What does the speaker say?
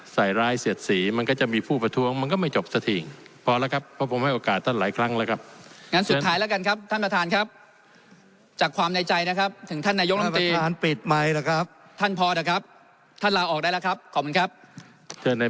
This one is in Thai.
พระเจ้าขอบคุณครับพระเจ้าขอบคุณครับพระเจ้าขอบคุณครับพระเจ้าขอบคุณครับพระเจ้าขอบคุณครับพระเจ้าขอบคุณครับพระเจ้าขอบคุณครับพระเจ้าขอบคุณครับพระเจ้าขอบคุณครับพระเจ้าขอบคุณครับพระเจ้าขอบคุณครับพระเจ้าขอบคุณครับพระเจ้าขอบคุณครับพระเจ้าขอบคุณคร